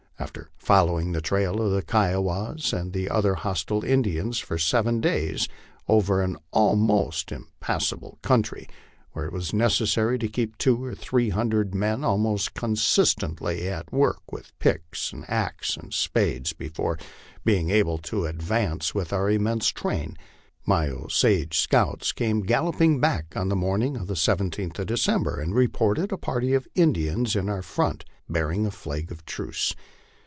After following the trail of the Kiowas and other hostile Indians for seven days, over an almost impassable, country, where it was necessary to keep two or three hundred men almost constantly at work with picks, axes, and spades, before being able to advance with our immense train, my Osage scouts came galloping back on the morning of the 17th of December, and reported a party of Indians in our front bearing a flag of truce.